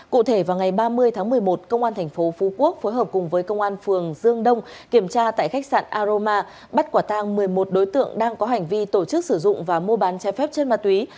cụ thể vào ngày ba mươi tháng một mươi một công an tp phú quốc phối hợp cùng với công an phường dương đông kiểm tra tại khách sạn aroma bắt quả tang một mươi một đối tượng đang có hành vi tổ chức sử dụng và mua bán trái phép trên ma túy